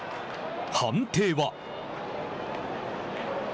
判定は。